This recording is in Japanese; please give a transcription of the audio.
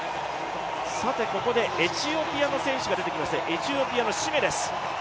ここでエチオピアの選手が出てきましてエチオピアのシメです。